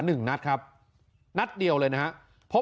หนึ่งนัดครับนัดเดียวเลยนะฮะพบ